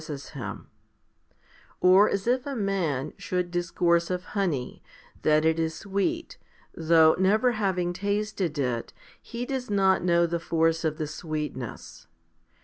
148 FIFTY SPIRITUAL HOMILIES him ; or as if a man should discourse of honey, that it is sweet, though never having tasted it, he does not know the force of the sweetness.